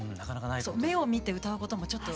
目を見て歌うこともちょっと。